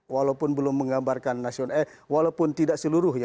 walaupun belum menggambarkan nasional eh walaupun tidak seluruh ya